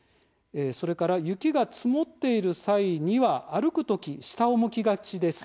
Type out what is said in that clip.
それから雪が積もっている際には歩く時、下を向きがちです。